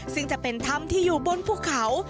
ซึ่งจะเป็นถ้ำที่อยู่บนภูเขา